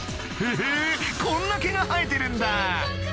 えぇこんな毛が生えてるんだ